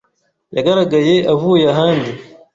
yagaragaye avuye ahandi.